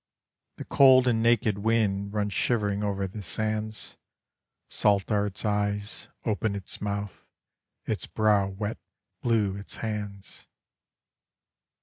The cold and naked wind runs shivering over the sands, Salt are its eyes, open its mouth, its brow wet, blue its hands.